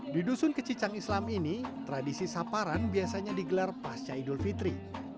di dusun kecicang islam ini tradisi saparan biasanya digelar pasca idul fitri